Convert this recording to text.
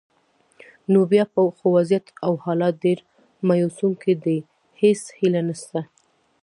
نو بیا خو وضعیت او حالات ډېر مایوسونکي دي، هیڅ هیله نشته.